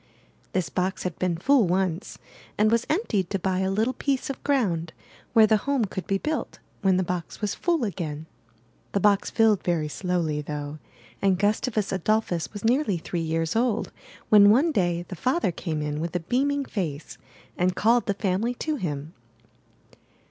This box had been full once, and was emptied to buy a little piece of ground where the home could be built when the box was full again. The box filled very slowly, though; and Gustavus Adolphus was nearly three years old when one day the father came in with a beaming face and called the family to him.